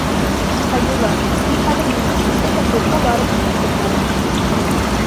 Хәйбулла, һин хәҙер миндек килтер ҙә клубҡа барып утты ҡара.